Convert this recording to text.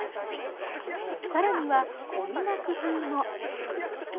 更には、こんな工夫も。